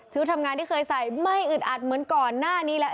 ทำงานที่เคยใส่ไม่อึดอัดเหมือนก่อนหน้านี้แล้ว